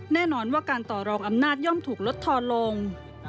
แน่นอนว่าการต่อรองอำนาจย่อมถูกลดทอนลง